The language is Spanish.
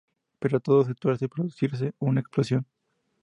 Pero todo se tuerce al producirse una explosión.